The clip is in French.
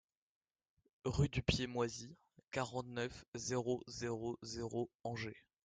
RUE DU PIED MOISI, quarante-neuf, zéro zéro zéro Angers